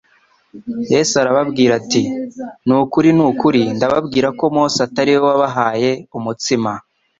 Yesu arababwira ati :« Ni ukuri ni ukuri ndababwira ko Mose atari we wabahaye umutsima